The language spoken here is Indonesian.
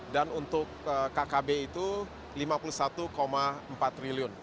dan untuk kkb itu rp lima puluh satu empat triliun